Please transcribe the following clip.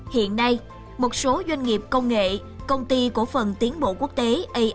hiện nay một số doanh nghiệp công nghệ công ty cổ phần tiến bộ quốc tế